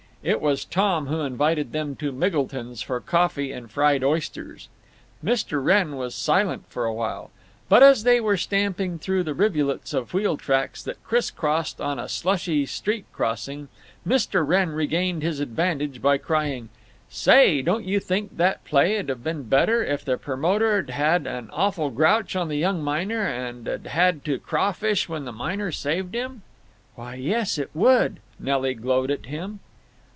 It was Tom who invited them to Miggleton's for coffee and fried oysters. Mr. Wrenn was silent for a while. But as they were stamping through the rivulets of wheel tracks that crisscrossed on a slushy street crossing Mr. Wrenn regained his advantage by crying, "Say, don't you think that play 'd have been better if the promoter 'd had an awful grouch on the young miner and 'd had to crawfish when the miner saved him?" "Why, yes; it would!" Nelly glowed at him.